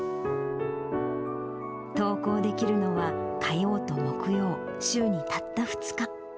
登校できるのは、火曜と木曜、週にたった２日。